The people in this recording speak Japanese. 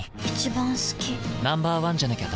Ｎｏ．１じゃなきゃダメだ。